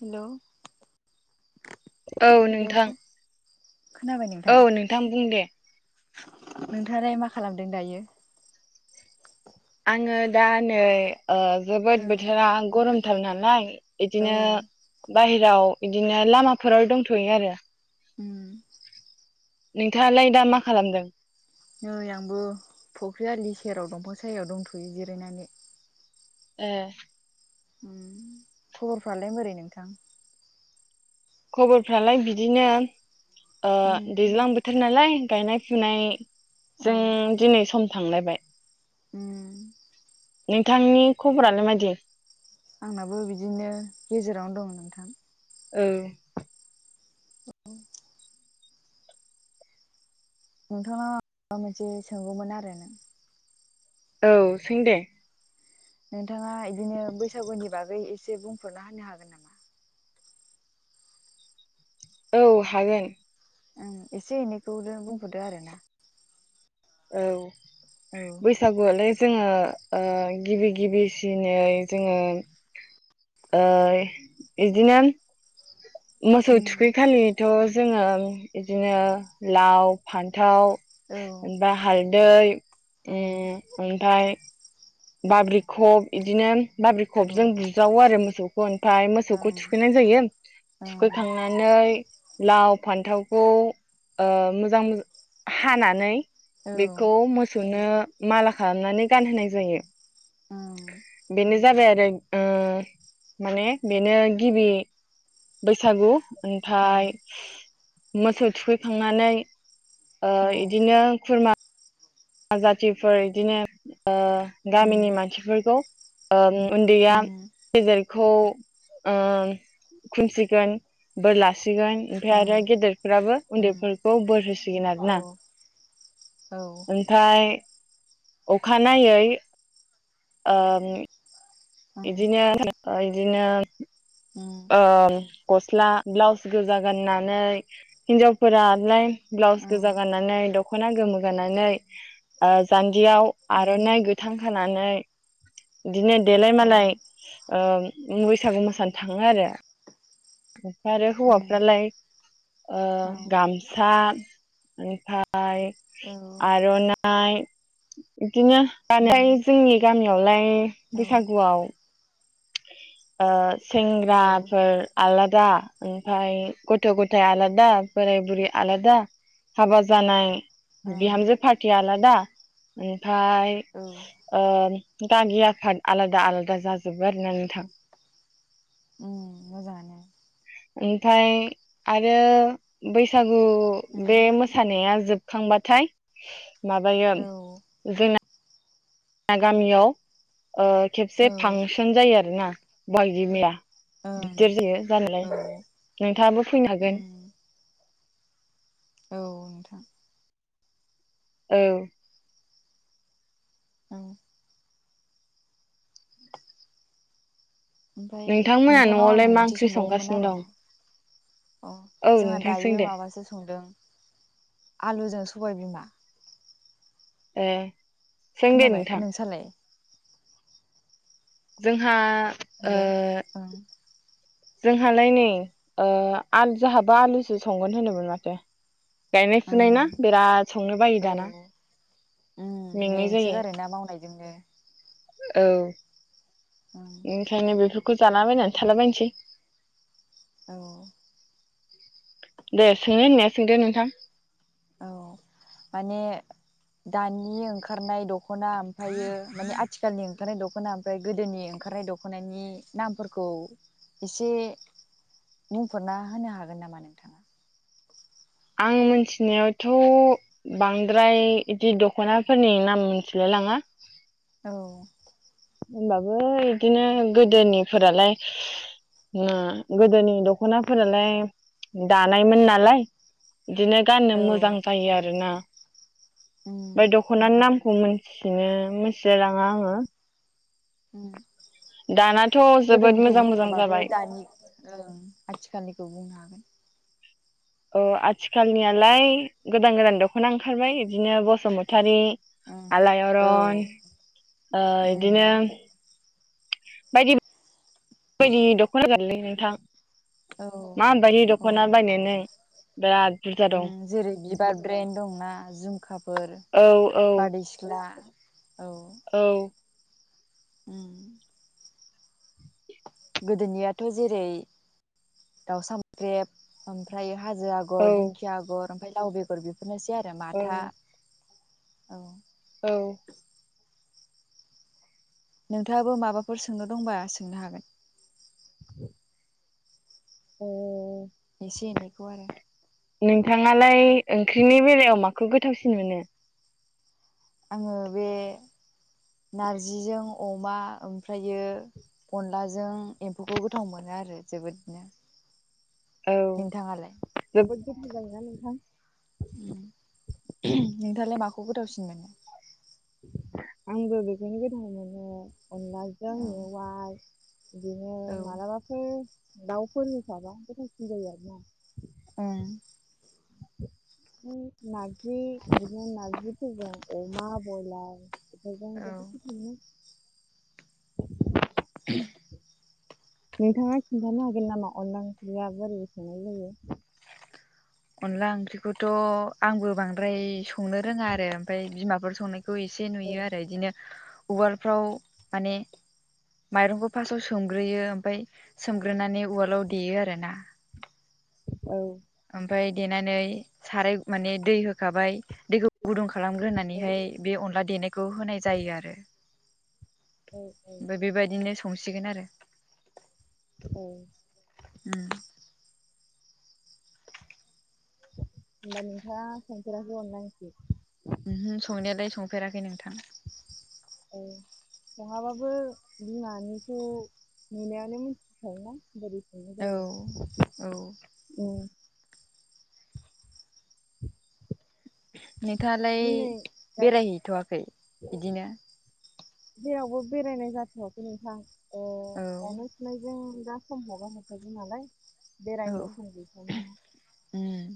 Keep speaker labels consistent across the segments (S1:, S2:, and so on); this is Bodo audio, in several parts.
S1: हेल'
S2: औ नोंथां
S1: खोनाबाय
S2: औ नोंथां बुं दे।
S1: नोंथाङा दायो मा खालामदों दायो?
S2: आङो दा नै ओ
S1: औ
S2: जोबोद बोथोरा गरमथार नालाय
S1: औ
S2: बिदिनो बाहेराव बिदिनो लामा फोराव दंथ'यो आरो।
S1: उम।
S2: नोंथाङा लाय दा मा खालामदों?
S1: नै आंबो फख्रि आलि सेराव दंफां सायायाव दंथ'यो जिरायनानै।
S2: ए।
S1: खबर फ्रालाय मोरै नोंथां?
S2: खबर फ्रालाय बिदिनो ओ
S1: उम
S2: दैज्लां बोथोर नालाय गायनाय फुनाय
S1: औ
S2: जों दिनै सम थांलायबाय।
S1: उम।
S2: नोंथांनि खबरालाय मादि?
S1: आंनाबो बिदिनो गेजेरावनो दं नोंथां।
S2: ओउ।
S1: नोंथाङा माबा मोनसे सोंगौमोन आरो नों
S2: औ सों दे।
S1: नोंथाङा इदिनो बैसागुनि बागै एसे बुंफोरना होनो हागोन नामा?
S2: औ हागोन।
S1: ओं एसे एनै खौनो बुंफोरदो आरोना।
S2: औ
S1: औ
S2: बैसागु आलाय जोङो ओ गिबि गिबि सिनै जोङो ओइ इदिनो मोसौ
S1: उम
S2: थुखै खालिथ' जोङो इदिनो लाव, फान्थाव
S1: औ
S2: ओमफ्राय हालदै
S1: ओं
S2: ओम ओमफ्राय बाब्रि खब इदिनो बाब्रि खब
S1: औ
S2: जों बुज्रावो आरो मोसौखौ। ओमफ्राय मोसौखौ
S1: ओं
S2: थुखैनाय जायो थुखै
S1: नोंथांनाव
S2: खांनानै लाव फान्थावखौ ओ मोजां मोजा हानानै बेखौ मोसौनो माला खालामनानै गानहोनाय जायो। बेनो जाबाय आरो ओ माने बेनो गिबि बैसागु। ओमफ्राय मोसौ थुखैखांनानै। ओ इदिनो खुरमा जाथिफोर बइदिनो ओ गामिनि मानसिफोरखौ ओम उन्दैया गेदेरखौ खुमसिगोन बोरलास सिगोन ओमफ्राय आरो गेदेरफोराबो उन्दैफोरखौ बोर होसिगोन आरो ना। ओमफ्राय अखानायै ओम इदिनो-इदिनो। ओ गस्ला ब्लाउस गोजा गाननानै हिन्जावफोरालाय। ब्लाउस गोजा गाननानै दख'ना गोमो गाननानै ओ जान जियाव आर'नाइ गोथां खानानै। बिदिनो देलाय मालाय ओ बैसागु मोसानो थाङो आरो। ओमफ्राय आरो हौवाफ्रालाय ओ गामसा ओमफा फाय आर'नाइ बिदिनो जोंनि गामि आवलाय बैसागुआव। ओ सेंग्राफोर आलादा। ओमफ्राय गथ' गथायाइ आलादा बोराय बुरै आलादा हाबा जानाय बिहामजो पार्टि आलादा ओमफ्राय ओ गागि आफाद आलादा आलादा जाजोबो आरोना नोंथां।
S1: उम मोजाङानो।
S2: ओमफ्राय आरो बैसागु बे मोसानाया जोब खांबाथाय माबायो जोंना गामियाव ओ खेबसे फांसन जायो आरोना बहागि मिया। गिदिर जायो जानायालाय नोंथाङाबो फैनो हागोन।
S1: औ नोंथां।
S2: औ।
S1: उम। ओमफ्राय
S2: नोंथांमोना
S1: नोंथांनाव आं
S2: न'आवलाय मा
S1: मोनसे
S2: ओंख्रि
S1: सोंबावगौमोन
S2: संगासिनो दं
S1: आरोना। अ
S2: औ
S1: जोंहा
S2: नोंथां सों
S1: दायो
S2: दे
S1: माबासो संदों आलुजों सबायबिमा।
S2: ए। सों दे
S1: खोनाबाय
S2: नोंथां
S1: नोंसालाय?
S2: जोंहा ओ
S1: हेलौ ओं।
S2: जोंहालाय नै ओ आ जोंहाबो आलुसो संगोन होनदोंमोन माथो। गायनाय
S1: ओं
S2: फुनाय ना बिराद संनो बायो
S1: औ
S2: दाना
S1: उम
S2: मेंनाय जायो।
S1: मेंसोगारोना [unintelligible]
S2: औ
S1: ओं
S2: ओंखायनो बेफो खौ जालाबायनानै थालाबायनोसै।
S1: औ।
S2: दे सोंनो होननाया सोंदो नोंथां।
S1: औ माने दानि ओंखारनाय दख'ना ओमफ्रायायो माने आथिखालनि ओंखारनाय दख'ना ओमफ्राय गोदोनि ओंखारनाय दख'नायनि नामफोरखौ एसे बुंफोरना होनो हागोन नामा नोंथाङा?
S2: आं मिथिनायावथ' बांद्राय इदि दख'नाफोरनि नाम मिथिला लाङा।
S1: औ।
S2: होनबाबो इदिनो गोदोनिफोरालाय। गोदोनि दख'नाफोरालाय दानायमोन नालाय। बिदिनो गाननो
S1: औ
S2: मोजां जायो आरोना
S1: उम
S2: ओमफ्राय दख'नानि नामखौ मिथिनो मोनथिलायलाङा आङो
S1: [inaudible]
S2: दाना
S1: गोदोनिखौ बुङाबाबो दानि ओं आथिखालनिखौ बुंनो हागोन
S2: औ आथिखालनियालाय गोदान गोदान दख'ना ओंखारबाय बिदिनो बसुमतारि
S1: ओं औ
S2: आलायारन बिदिनो
S1: उम
S2: बायदि बायदि दख'ना गारलै नोंथां मा
S1: औ
S2: बादि
S1: औ
S2: दख'ना बायनो नों बिराद बुरजा दं
S1: जेरै बिबार ब्रेेन दंना जझुमखाफोर
S2: औ औ
S1: बारदै सिख्ला औ
S2: औ
S1: उ गोदोनियाथ' जेरै दाउ सामख्रेब ओमफ्रायो हाजो
S2: औ
S1: आगर दिंखिया आगर ओमफ्राय लाव बेगर बेफोरनोसै आरो
S2: औ
S1: माथा औ नोंथाङाबो माबाफोर सोंनो दंबा सोंनो हागोन
S2: अ
S1: एसे एनैखौ आरो
S2: नोंथाङालाय ओंख्रिनि बेलायाव माखौ गोथावसिन मोनो
S1: आङो बे नारजिजों अमा ओमफ्रायो अनलाजों एम्फौखौ गोथाव मोनो आरो जोबोदनो
S2: औ
S1: नोंथाङालाय
S2: जोबोद गोथाव जायोना नोंथां
S1: नोंथाङालाय माखौ गोथावसिन मोनो
S2: आंबो बेखौनो गोथाव मोनो अनलाजों
S1: औ
S2: मेवाइ बिदिनो
S1: औ
S2: मालाबाफोर दाउफोर होफाबागोथाव सिनजायोआरोना
S1: ओं
S2: नारजि बिदिनो नारजिफोर जोंबा अमा बयलार
S1: औ
S2: [unintelligible]
S1: [unintelligible]
S2: नोंथाङा खिन्थानो हागोन नामा अनलाओंखोरिया बोरै सोंलनायलायो
S1: अनदला ओंख्रिखौथ' आंबो बांद्राय संनो रोङा आरो ओमफफ्राय बिमाफोर संनाय खौ एसे
S2: औ
S1: नुयो आरो बिदिनो उवालफ्राव माने माइरंखौ फास्टआव सोमग्रोयो ओमफाय सोमग्रोनानै उवालाव देयो आर ना [unintelligible]
S2: औ
S1: ओमफफ्राय देनानै साराय माने दै होखाबाय दैखौ गुदुं खालामग्रोनानैहाय
S2: औ
S1: बे अनला देनायखौ होनाय जायो आरो
S2: औ औ
S1: ओमफफ्राय बेबायदिनो संसिगोन आरो
S2: औ
S1: उ
S2: होमबा नोंथाङा संफेराखोइ अरनला ओंखिरोइ
S1: संनायालाय संफेराखै नोंथां
S2: औ संआबाबो बिमानिखौ नुनायावनो मिथिखायो ना बोरै संनाय
S1: औ औ
S2: जायो। ओ
S1: नोंथाङालाय
S2: दिनै दाय-
S1: बेरायहैथ'वाखै बिदिनो
S2: जेरावबो बेरायनाय जाथ'खै नोंथां ओ गानाय
S1: औ
S2: फुनायजों दा सम खौनो मोनथारानालाय
S1: औ
S2: बेरायनो सम गैथवा
S1: उम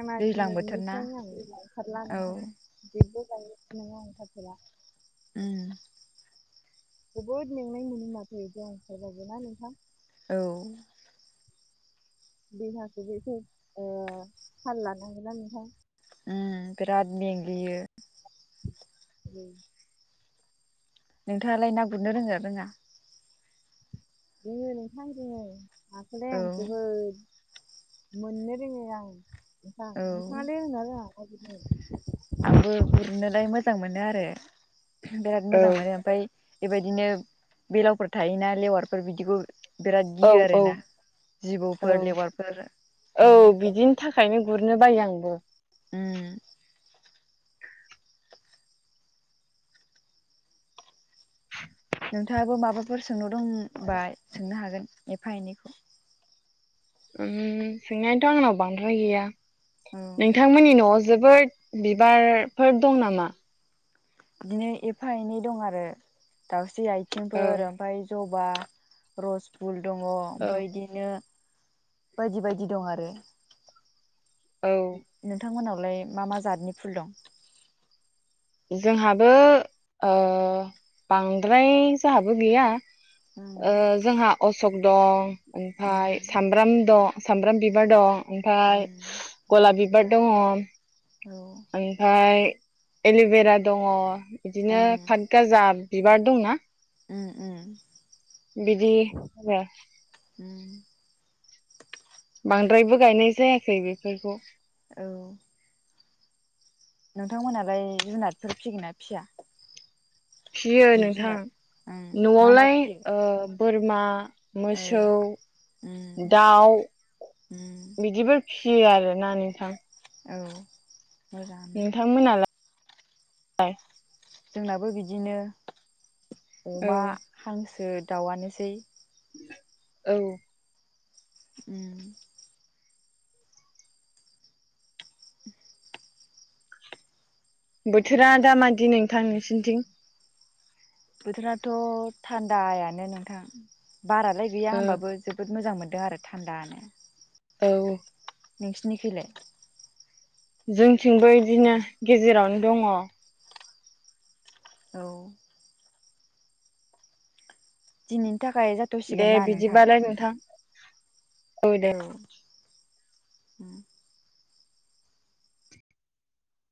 S2: आंना
S1: दैज्लां बोथोर ना
S2: दिनैनिफ्रायनो आं लांंखारला
S1: औ
S2: नोंथां जेबो ना आंफाथबा [unintelligible]
S1: उम
S2: जोबोद मेंनाय मोनो माथो ज' ओंखारबाबो ना नोंथां
S1: औ।
S2: दहाखौ बौएसे थाल लानांगोनोना नोंथां
S1: उम बिराद मेंग्लियो
S2: उम
S1: नोंथाङालाय ना गुरनो रोंङो ना रोङा?
S2: जोङो नोंथां जोङो नाखौलाइ
S1: औ
S2: आं जोबोद मोननो रोङो आं नोंथां
S1: औ
S2: नोंथांङालाय रोंङोना रोङा?
S1: आंबो गुरनोलाय मोजां मोनो आरो बिराद
S2: औ
S1: मोजां मोनो ओमफ्राय बेबायदिनो बेलावफोर थायोना लेवारफोर बिदिखौ बिराद
S2: औ
S1: गियो
S2: औ
S1: आरोना
S2: औ
S1: जिबौफोर लेवारफोर
S2: बिदिनो बायो आंबो
S1: उम नोंथाङाबो माबाफोर सोंनाव दंबा सोंनो हागोन एफा एनैखौ
S2: ओम सोंनायाथ' आंनाव बांद्राय गैया
S1: औ
S2: नोंथांमोननि न'आव जोबोद बिबारफोर दं नामा?
S1: बिदिनो एफा एनै दं आरो दाउस्रि
S2: औ
S1: आइथिंफोर ओमफाय ज' बा रस फुल दङ
S2: औ
S1: ओमफ्राय बिदिनो बायदि बायदि दं आरो
S2: औ
S1: नोंथांमोननाव लाय मा मा जातनि फुल दं
S2: जोंहाबो ओ बांद्राय जोंहाबो गैया
S1: उम
S2: ओ जोंहा अशक दं ओमफ्राय
S1: उम
S2: सामब्राम दं सामब्राम बिबार दं ओमफाय
S1: उम
S2: गलाब बिबार दङ
S1: औ
S2: ओमफाय एल'भेरा दङ बिदिनो
S1: उम
S2: पाटगाजा बिबार दंना
S1: उम उम
S2: बिदि
S1: ओम
S2: बांद्रायबो गायनाय जायाखै बेफोरखौ
S1: औ नोंथांमोनालाय जुनारफोर फिसिगोन ना फिया
S2: फियो
S1: जिब
S2: नोंथां
S1: जुनार? उम मा मा
S2: न'आवलाय
S1: फियो?
S2: ओ बोरमा
S1: औ
S2: मोसौ
S1: उम
S2: दाउ
S1: उम
S2: बिदिबो फियो आरो ना नोंथां
S1: औ मोजाङानो
S2: नोंथांमोनालाय
S1: जोंनाबो बिदिनो
S2: औ
S1: अमा हांसो दाउआनोसै
S2: औ
S1: उम
S2: बोथोरा दामादि नोंथां नोंसिनिथिं
S1: बोथोराथ' थान्दायानो नोंथां बारालाय गैया
S2: ओ
S1: होमबाबो जोबोद मोजां मोनदों आरो थान्दानो
S2: औ
S1: नोंसिनिखैलाय
S2: जोंथिंबो बिदिनो गेजेरावनो दङ
S1: औ। दिनैनि थाखाय
S2: दे
S1: जाथ'सिगोन ना नोंथां
S2: बिदिबालाय नोंथां
S1: औ उम